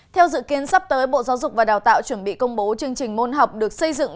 theo dự kiến sắp tới bộ giáo dục và đào tạo chuẩn bị công bố chương trình môn học được xây dựng